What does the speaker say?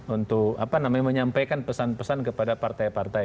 untuk apa namanya menyampaikan pesan pesan kepada partai partai